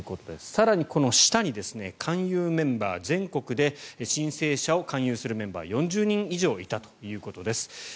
更にこの下に勧誘メンバー、全国で申請者を勧誘するメンバーが４０人以上いたということです。